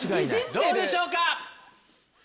どうでしょうか？